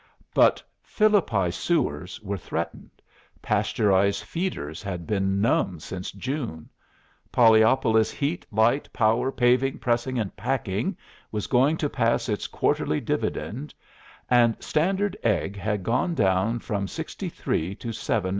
But Philippi Sewers were threatened; Pasteurised Feeders had been numb since June; Pollyopolis Heat, Light, Power, Paving, Pressing, and Packing was going to pass its quarterly dividend; and Standard Egg had gone down from 63 to 7 1/8.